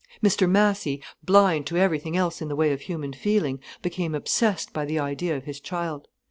Mr Massy, blind to everything else in the way of human feeling, became obsessed by the idea of his child.